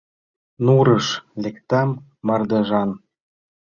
Нурыш лектам — мардежан.